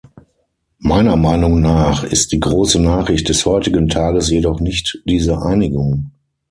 Meiner Meinung nach ist die große Nachricht des heutigen Tages jedoch nicht diese Einigung.